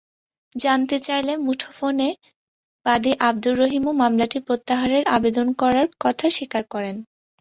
জানতে চাইলে মুঠোফোনে বাদী আবদুর রহিমও মামলাটি প্রত্যাহারের আবেদন করার কথা স্বীকার করেন।